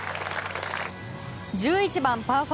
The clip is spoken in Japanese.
１１番、パー５。